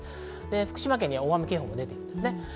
福島県で大雨警報が出ています。